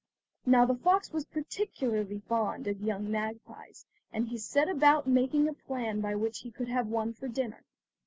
Now the fox was particularly fond of young magpies, and he set about making a plan by which he could have one for dinner.